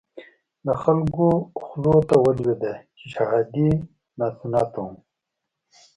د خلکو خولو ته ولويده چې شهادي ناسنته وو.